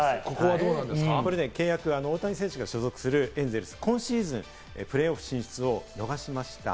大谷選手が所属するエンゼルス、今シーズンはプレーオフ進出を逃しました。